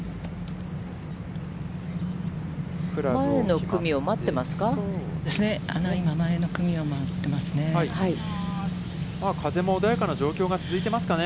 前の組を待っていますか。